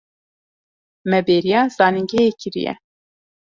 Me bêriya zanîngehê kiriye.